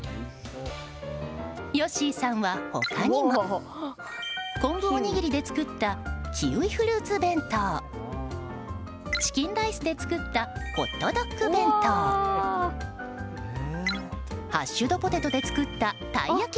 よっしーさんは他にも昆布おにぎりで作ったキウイフルーツ弁当チキンライスで作ったホットドッグ弁当ハッシュドポテトで作ったたい焼き